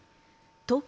東京